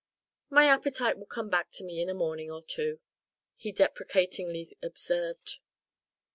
"My appetite will come back to me in a morning or two," he deprecatingly observed.